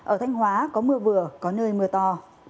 ở thanh hóa có mưa vừa có nơi mưa to